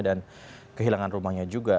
dan kehilangan rumahnya juga